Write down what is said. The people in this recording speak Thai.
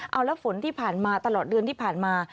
เอาแล้วฝนที่ผ่านมาตลอดเดือนที่ผ่านมา